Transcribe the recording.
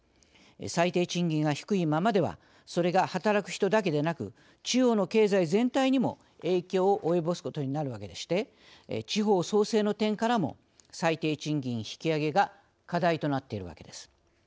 最低賃金が低いままではそれが働く人だけでなく地方の経済全体にも影響を及ぼすことになるわけでして地方創生の点からも最低賃金引き上げが課題となっているわけです。